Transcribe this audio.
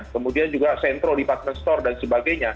kemudian juga sentral department store dan sebagainya